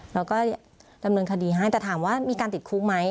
แล้วก็ดำเนินคดีให้แต่ถามว่ามีการติดคุกไหม